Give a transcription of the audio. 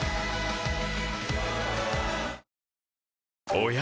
おや？